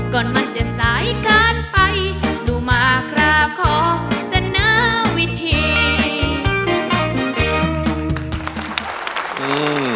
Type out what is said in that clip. ก่อนมันจะสายเกินไปดูมากราบขอเสนอวิธี